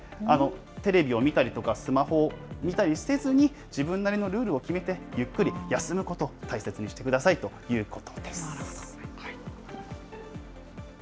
テレビを見たりとかスマホを見たりせずに、自分なりのルールを決めて、ゆっくり休むことを大切になるほど。